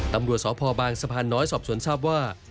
ตำรวจสพบางสะพานน้อยสอบสวนทราบว่า